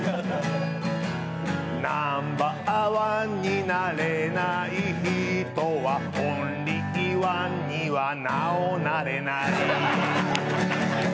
ナンバーワンにはなれない人はオンリーワンにはなおなれない。